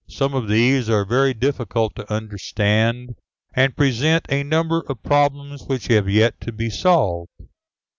Some of these are very difficult to understand, and present a number of problems which have yet to be solved (Figs.